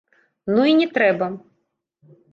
Ну і не трэба!